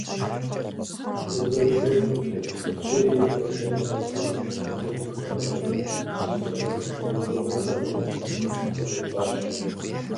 Къызэрыщӏэкӏымкӏэ, бактериехэр шхын гъэткӏуным, витамин къэгъэщӏыным, узыфэ зэмылӏэужьыгъуэхэм ебэныным къыхуигъэщӏащ.